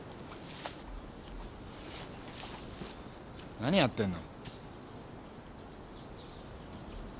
何やってんの。